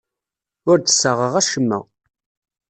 Ur d-ssaɣeɣ acemma.